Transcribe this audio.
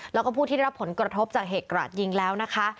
แล้วก็ผู้ที่ได้รับผลกระทบจากเหตุกราดยิงแล้วนะคะ